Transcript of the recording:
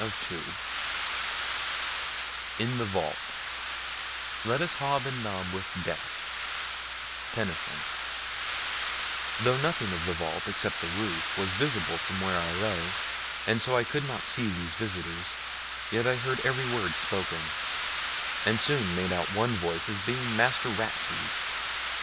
CHAPTER 4 IN THE VAULT Let us hob and nob with Death Tennyson Though nothing of the vault except the roof was visible from where I lay, and so I could not see these visitors, yet I heard every word spoken, and soon made out one voice as being Master Ratsey's.